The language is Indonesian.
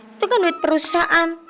itu kan duit perusahaan